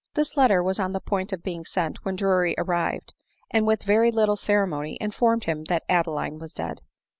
This letter was on the point of being sent when Drury arrived, and with very little ceremony, in ^ formed him that Adeline was dead.